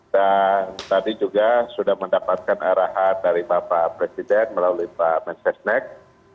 dan tadi juga sudah mendapatkan arahan dari bapak presiden melalui pak mensesnek